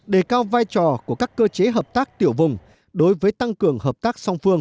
hai mươi năm đề cao vai trò của các cơ chế hợp tác tiểu vùng đối với tăng cường hợp tác song sông